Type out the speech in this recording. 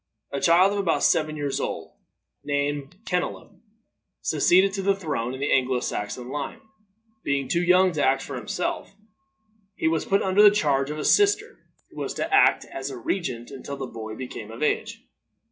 A child of about seven years old, named Kenelm, succeeded to the throne in the Anglo Saxon line. Being too young to act for himself, he was put under the charge of a sister, who was to act as regent until the boy became of age.